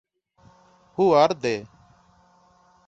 Who are they?